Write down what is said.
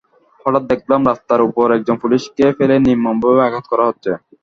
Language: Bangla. হঠাৎ দেখলাম রাস্তার ওপর একজন পুলিশকে ফেলে নির্মমভাবে আঘাত করা হচ্ছে।